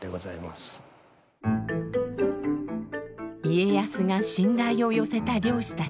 家康が信頼を寄せた漁師たち。